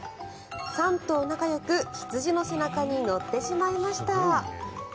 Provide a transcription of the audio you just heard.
３頭仲よく羊の背中に乗ってしまいました。